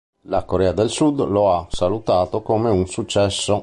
La Corea del Sud lo ha salutato come un successo.